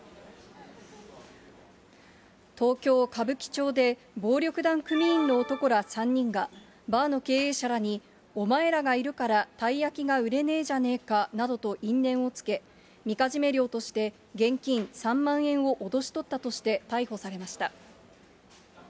東京・歌舞伎町で、暴力団組員の男ら３人が、バーの経営者らにお前らがいるからたい焼きが売れねえじゃねえかと因縁をつけ、みかじめ料として現金３万円を脅し取ったとして逮捕されました。